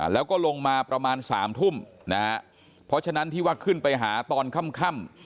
แล้วก็ลงมาประมาณสามทุ่มนะฮะเพราะฉะนั้นที่ว่าขึ้นไปหาตอนค่ำ